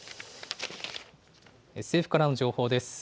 政府からの情報です。